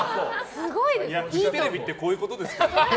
フジテレビってこういうことですよ。